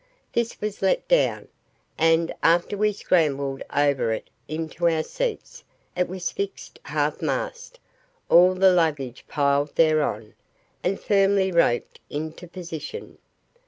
This was let down, and, after we scrambled over it into our seats, it was fixed half mast, all the luggage piled thereon, and firmly roped into position.